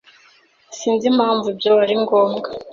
Sinzi impamvu ibyo ari ngombwa.